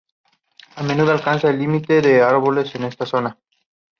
A menudo alcanza la línea de árboles en esta zona.